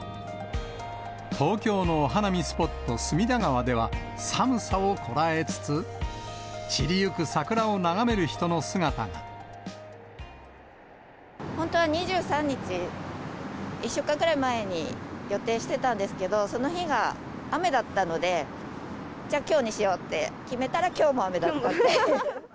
東京のお花見スポット、隅田川では、寒さをこらえつつ、本当は２３日、１週間ぐらい前に予定してたんですけど、その日が雨だったので、じゃあ、きょうにしようって決めたら、きょうも雨だった。